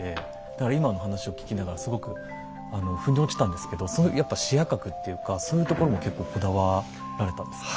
だから今の話を聞きながらすごく腑に落ちたんですけどそのやっぱ視野角っていうかそういうところも結構こだわられたんですか？